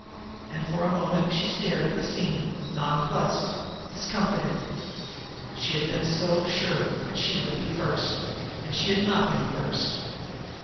And for a moment she stared at the scene, nonplused, discomfited. She had been so sure that she would be first and she had not been first.